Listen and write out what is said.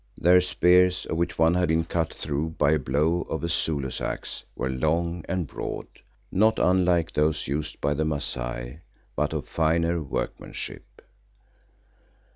Their spears, of which one had been cut through by a blow of a Zulu's axe, were long and broad, not unlike to those used by the Masai, but of finer workmanship.